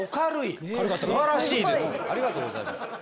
ありがとうございます。